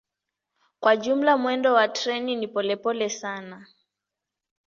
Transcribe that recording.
Kwa jumla mwendo wa treni ni polepole sana.